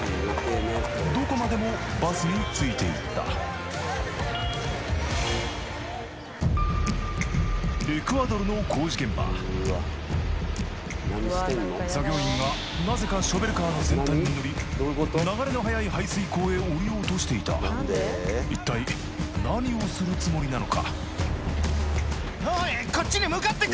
どこまでもバスについていったエクアドルの工事現場作業員がなぜかショベルカーの先端に乗り流れの速い排水溝へ降りようとしていた一体何をするつもりなのか？